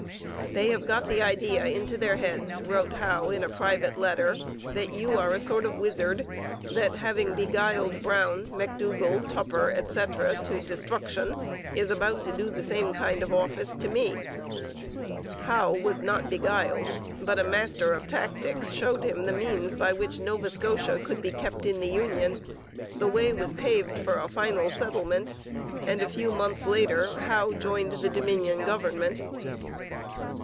'They have got the idea into their heads,' wrote Howe in a private letter, 'that you are a sort of wizard that, having beguiled Brown, McDougall, Tupper, etc., to destruction, is about to do the same kind of office to me.' Howe was not beguiled, but a master of tactics showed him the means by which Nova Scotia could be kept in the union; the way was paved for a final settlement; and a few months later Howe joined the Dominion government.